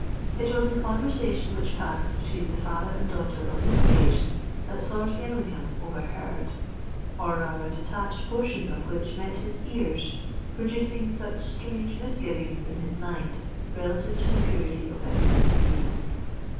It was the conversation which passed between the father and daughter on this occasion, that Lord Ellingham overheard—or rather, detached portions of which met his ears, producing such strange misgivings in his mind relative to the purity of Esther de Medina.